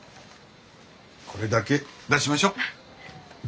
これだけ出しましょう。